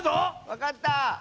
わかった！